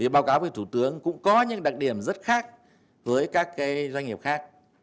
báo cáo của thủ tướng cũng có những đặc điểm rất khác với các doanh nghiệp khác